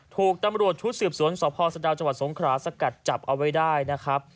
ถูกตำรวจทุกษ์เสืบสวนสศพสนสงคราสกัดจับเอาไว้ได้นะครับ